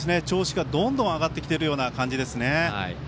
調子がどんどん上がってきてるような感じですね。